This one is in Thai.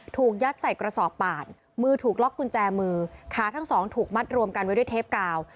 ถูกยัดใส่กระสอบป่านมือถูกล็อกกุญแจมือขาทั้งสองถูกมัดรวมกันไว้ด้วยเทปกาว